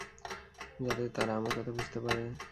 যাতে তারা আমার কথা বুঝতে পারে।